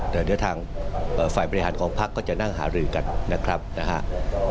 เดี๋ยวทางฝ่ายบริหารของพักก็จะนั่งหารือกันนะครับนะฮะ